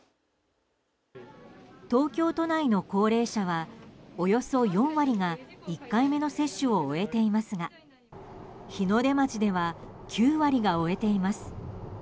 東京都内の高齢者はおよそ４割が１回目の接種を終えていますが日の出町では９割が終えています。